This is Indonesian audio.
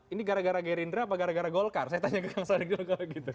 ini gara gara gerindra apa gara gara golkar saya tanya ke kang sodik